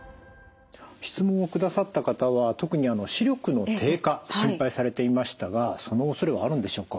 質問をくださった方は特に視力の低下心配されていましたがそのおそれはあるんでしょうか？